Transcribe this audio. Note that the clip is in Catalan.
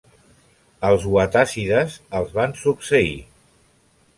Els wattàssides els van succeir.